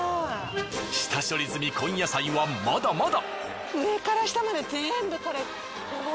下処理済み根野菜はまだまだ。